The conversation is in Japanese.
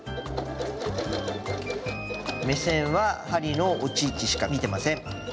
目線は針の落ち位置しか見てません。